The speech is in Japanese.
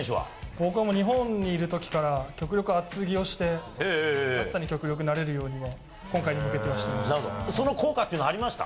僕はもう、日本にいるときから極力厚着をして、暑さに極力慣れるようには今回に向けてはしてました。